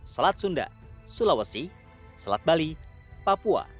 selat sunda sulawesi selat bali papua